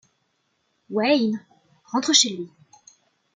Wayne rentre chez lui.